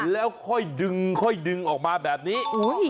แล้วค่อยดึงค่อยดึงออกมาแบบนี้